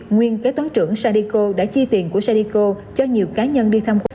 nguyên kế toán trưởng sadiko đã chi tiền của sadiko cho nhiều cá nhân đi thăm quốc